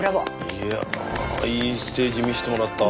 いやいいステージ見せてもらった。